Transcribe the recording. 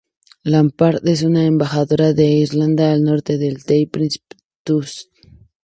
Lampard es una embajadora de Irlanda del Norte para The Prince´s Trust.